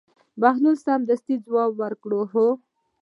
بهلول سمدستي ځواب ورکړ: هو.